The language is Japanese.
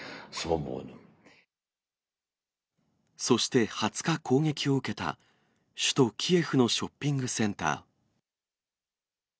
そして、２０日、攻撃を受けた首都キエフのショッピングセンター。